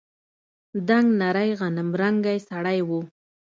دنګ نرى غنمرنگى سړى و.